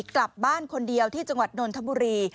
กลับบ้านคนเดียวที่จังหวัดนนทบุรี